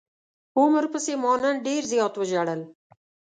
عمر پسې ما نن ډير زيات وژړل.